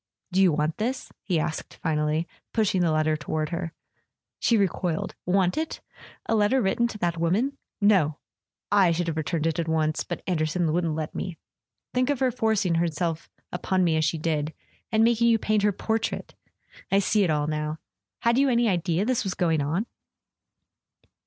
"Do you want this?" he asked finally, pushing the letter toward her. She recoiled. "Want it? A letter written to that woman ? No ! I should have returned it at once—but Anderson wouldn't let me... Think of her forcing herself upon me as she did—and making you paint her portrait! I see it all now. Had you any idea this was going on?"